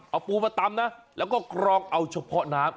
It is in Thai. เอาปูมาตำนะแล้วก็กรองเอาเฉพาะน้ำ